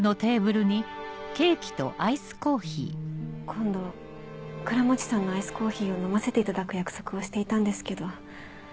今度倉持さんのアイスコーヒーを飲ませていただく約束をしていたんですけど。